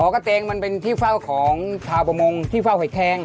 กระเตงมันเป็นที่เฝ้าของชาวประมงที่เฝ้าหอยแคง